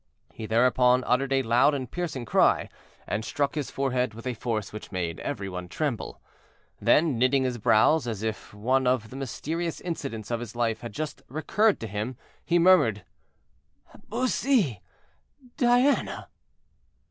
He thereupon uttered a loud and piercing cry, and struck his forehead with a force which made every one tremble. Then, knitting his brows, as if one of the mysterious incidents of his life had just recurred to him, he murmured: "Bussy! Diana!"